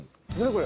これ。